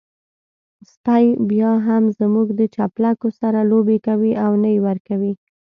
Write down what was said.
سپی بيا هم زموږ د چپلکو سره لوبې کوي او نه يې ورکوي.